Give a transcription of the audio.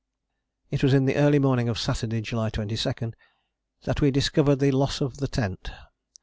It was in the early morning of Saturday (July 22) that we discovered the loss of the tent.